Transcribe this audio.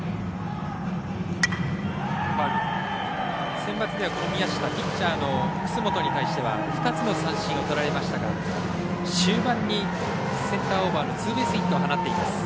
センバツでは宮下ピッチャーの楠本に対しては２つの三振をとられましたが終盤にセンターオーバーのツーベースヒットを放っています。